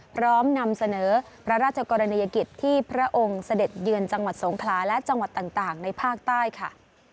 พร้อมนำเสนอพระราชกรณียกิจที่พระองค์เสด็จเยือนจังหวัดสงคลาและจังหวัดต่างในภาคใต้ค่ะ